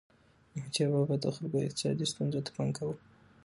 احمدشاه بابا به د خلکو اقتصادي ستونزو ته پام کاوه.